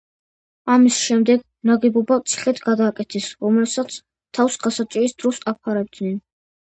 ამის შემდეგ, ნაგებობა ციხედ გადააკეთეს, რომელსაც თავს გასაჭირის დროს აფარებდნენ.